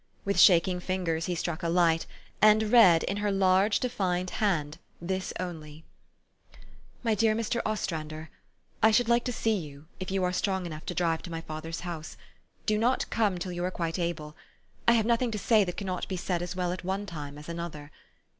With shaking fingers he struck a light, and read, in her large, defined hand, this only : "MY DEAR MR. OSTRANDER, I should like to see you, if you are strong enough to drive to my father's house. Do not come till you are quite able. I have nothing to say that cannot be said as well at one time as another.